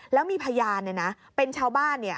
แล้วมีพยานเป็นชาวบ้าน